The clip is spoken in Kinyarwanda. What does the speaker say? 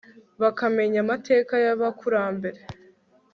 bakamenya amateka y'abakurambere